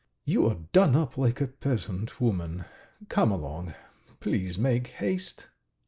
"You are done up like a peasant woman, ... Come along, ... Please make haste!"